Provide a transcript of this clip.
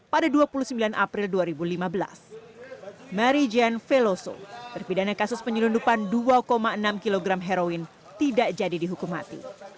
pada dua puluh sembilan april dua ribu lima belas mary jane veloso terpidana kasus penyelundupan dua enam kg heroin tidak jadi dihukum mati